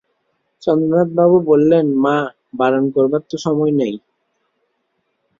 চন্দ্রনাথবাবু বললেন, মা, বারণ করবার তো সময় নেই।